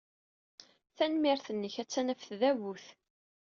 Tamrint-nnek attan ɣef tdabut.